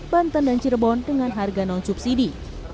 banten dan cirebon dengan harga non subsidi